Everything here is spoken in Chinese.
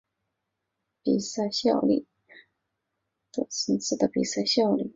他更认为以祖尔的能力可在中超立足并希望他未来可以在更高层次的比赛效力。